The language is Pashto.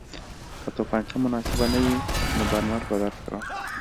که توپانچه مناسبه نه وي نو برنر به درکړم